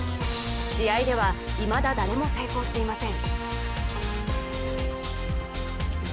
試合では、いまだ誰も成功していません。